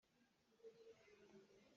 Mawṭaw mawngh na thiam awk a si.